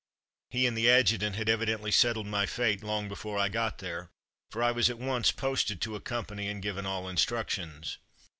He and the adjutant had evidently settled my fate long before I got there, for I was at once posted to a company and given all instruc tions.